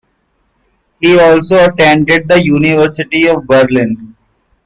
He also attended the University of Berlin.